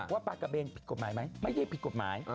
ว่าปลากระเบนผิดกฎหมายไหมไม่ได้ผิดกฎหมาย